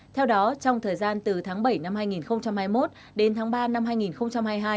theo đó trong thời gian từ tháng bảy năm hai nghìn hai mươi một đến tháng ba năm hai nghìn hai mươi hai